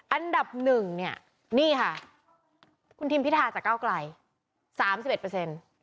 อันดับหนึ่งเนี่ยนี่ค่ะคุณทิมพิธาจากเก้าไกลสามสิบเอ็ดเปอร์เซ็นต์